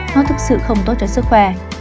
nó thực sự không tốt cho sức khỏe